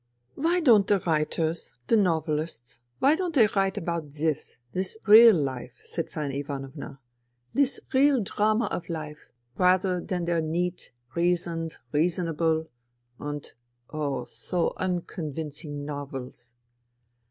" Why don't the writers — ^the novelists — ^why don't they write about this, this real life," said Fanny Ivanovna, " this real drama of life, rather than their neat, reasoned, reasonable and — oh ! so uncon vincing novels